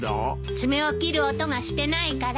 爪を切る音がしてないから。